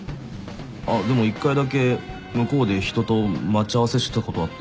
あっでも一回だけ向こうで人と待ち合わせしたことあって。